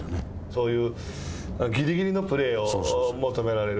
そういうぎりぎりのプレーを求められる？